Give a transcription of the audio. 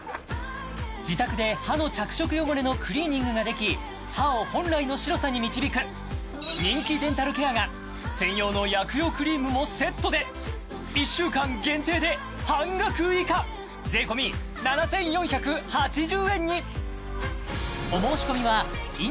自宅で歯の着色汚れのクリーニングができ歯を本来の白さに導く人気デンタルケアが専用の薬用クリームもセットで１週間限定で半額以下私の肌は欲張り。